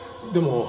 でも。